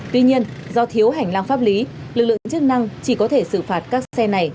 tuy nhiên do thiếu hành lang pháp lý lực lượng chức năng chỉ có thể xử phạt các xe này